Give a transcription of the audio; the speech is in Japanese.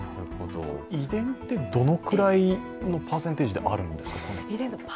遺伝ってどのくらいのパーセンテージであるんですか？